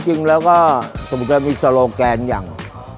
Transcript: จริงแล้วก็สมมุติจะมีโซโลแกนอย่าง